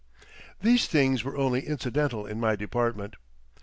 These things were only incidental in my department.